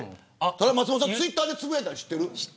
松本さんツイッターでつぶやいたの知ってる。